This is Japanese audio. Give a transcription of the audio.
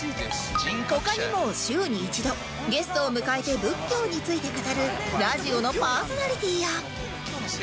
他にも週に一度ゲストを迎えて仏教について語るラジオのパーソナリティーや